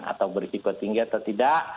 atau berisiko tinggi atau tidak